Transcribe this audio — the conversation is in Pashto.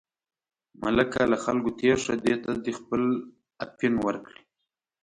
ملکه له خلکو تېر شه، دې ته دې خپل اپین ورکړي.